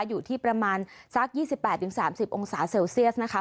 อยู่ที่ประมาณสักยี่สิบแปดถึงสามสิบองศาเซลเซียสนะคะ